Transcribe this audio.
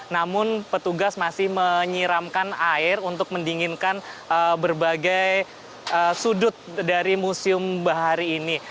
namun petugas masih menyiramkan air untuk mendinginkan berbagai sudut dari museum bahari ini